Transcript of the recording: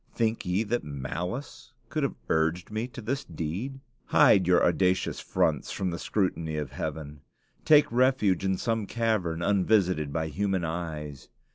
Think ye that malice could have urged me to this deed? Hide your audacious fronts from the scrutiny of heaven. Take refuge in some cavern unvisited by human eyes.